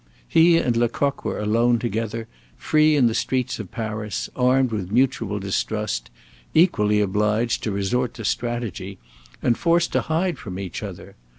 He and Lecoq were alone together, free in the streets of Paris, armed with mutual distrust, equally obliged to resort to strategy, and forced to hide from each other.